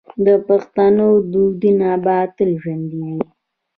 د پښتنو دودونه به تل ژوندي وي.